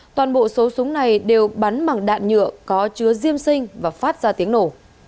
toàn bộ số súng này đều bắn bằng đạn nhựa có chứa diêm sinh và phát ra tiếng nổ